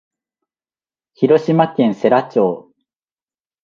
広島県世羅町